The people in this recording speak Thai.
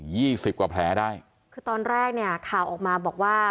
สิบกว่าแผลได้คือตอนแรกเนี่ยข่าวออกมาบอกว่า